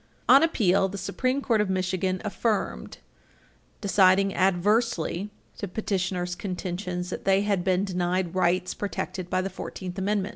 On appeal, the Supreme Court of Michigan affirmed, deciding adversely to petitioners' contentions that they had been denied rights protected by the Fourteenth Amendment.